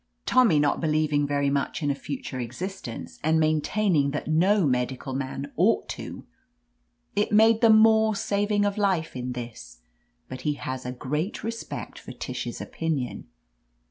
Tommy not believing very much in a future existence, and maintaining that no medical man ought to — it made them more saving of life in this. But he has a great respect for Tish's opinion.